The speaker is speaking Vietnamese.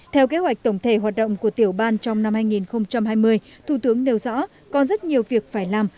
theo kế hoạch tổng thể hoạt động của tiểu ban trong năm hai nghìn hai mươi thủ tướng nêu rõ còn rất nhiều việc phải làm